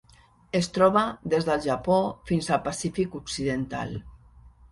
Es troba des del Japó fins al Pacífic occidental.